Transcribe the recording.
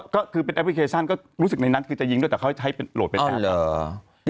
ก็คือเป็นแอปพลิเคชันก็รู้สึกในนั้นคือจะยิงด้วยแต่เขาใช้เป็นโหลดไปได้